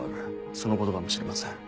そのことかもしれません。